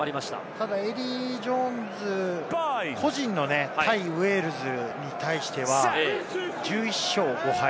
ただエディー・ジョーンズ個人の、対ウェールズに対しては１１勝５敗。